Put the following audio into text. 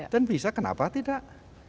dan bisa kenapa tidak